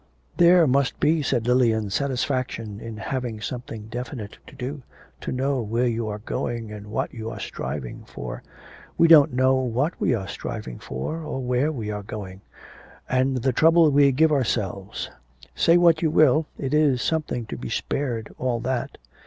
'There must be,' said Lilian, 'satisfaction in having something definite to do, to know where you are going and what you are striving for. We don't know what we are striving for or where we are going. And the trouble we give ourselves! Say what you will, it is something to be spared all that.'